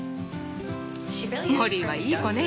モリーはいい子ね。